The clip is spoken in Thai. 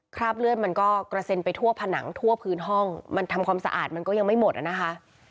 คราบเลือดมันก็กระเซ็นไปทั่วผนังทั่วพื้นห้องมันทำความสะอาดมันก็ยังไม่หมดอ่ะนะคะ